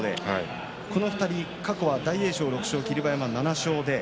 この２人、過去は大栄翔６勝霧馬山の７勝。